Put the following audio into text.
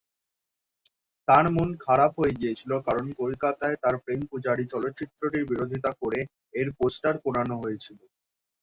তার মন খারাপ হয়ে গিয়েছিলো কারণ কোলকাতায় তার 'প্রেম পূজারী' চলচ্চিত্রটির বিরোধিতা করে এর পোস্টার পোড়ানো হয়েছিলো।